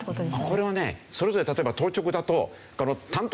これはねそれぞれ例えば当直だと。